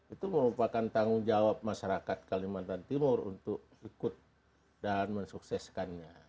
itu merupakan tanggung jawab masyarakat kalimantan timur untuk ikut dan mensukseskannya